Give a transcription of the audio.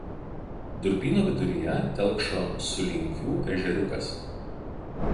Durpyno viduryje telkšo Sulinkių ežeriukas.